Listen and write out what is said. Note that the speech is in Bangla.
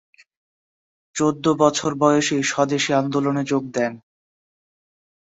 চোদ্দ বছর বয়সেই স্বদেশী আন্দোলনে যোগ দেন।